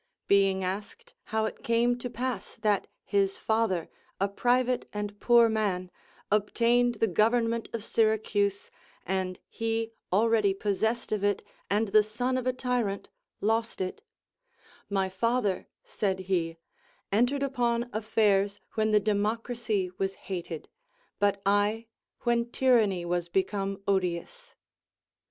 Being asked how it came to pass that his father, a private and poor man, obtained the goΛ^ernment of Syracuse, and he already possessed of it, and the son of a tyrant, lost it, — My father, said he, en tered upon affairs when the democracy was hated, but I, when tyranny was become odious.